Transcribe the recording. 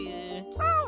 うん！